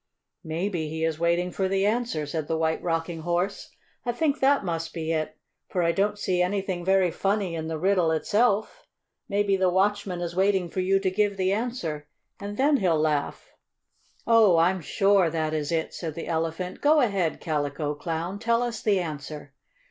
"Maybe he is waiting for the answer," said the White Rocking Horse. "I think that must be it, for I don't see anything very funny in the riddle itself. Maybe the watchman is waiting for you to give the answer, and then he'll laugh." "Oh, I'm sure that is it," said the Elephant. "Go ahead, Calico Clown! Tell us the answer!